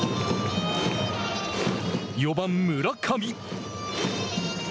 ４番村上。